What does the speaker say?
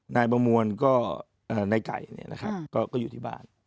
นายประมวลก็นายไก่ก็อยู่ที่บ้าน